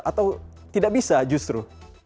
atau tidak bisa justru